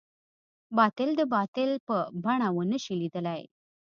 باطل د باطل په بڼه ونه شي ليدلی.